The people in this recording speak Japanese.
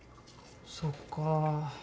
そっか。